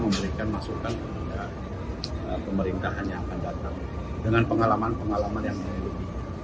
memberikan masukan kepada pemerintahan yang akan datang dengan pengalaman pengalaman yang